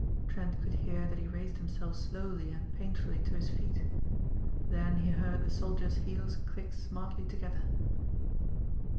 Trent could hear that he raised himself slowly and painfully to his feet. Then he heard the soldier's heels click smartly together.